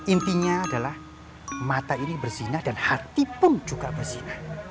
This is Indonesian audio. intinya adalah mata ini berzinah dan hati pun juga bersih